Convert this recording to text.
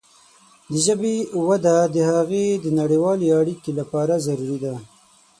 د ژبې وده د هغې د نړیوالې اړیکې لپاره ضروري ده.